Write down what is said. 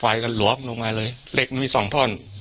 ไฟกันล๊อคลงมาเลยไม่ส้องท่อน